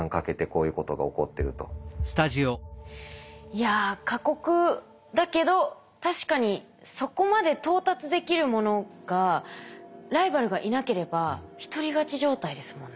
いや過酷だけど確かにそこまで到達できるものがライバルがいなければ一人勝ち状態ですもんね。